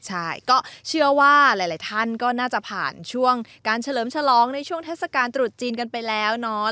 ใช่ก็เชื่อว่าหลายท่านก็น่าจะผ่านช่วงการเฉลิมฉลองในช่วงเทศกาลตรุษจีนกันไปแล้วเนาะ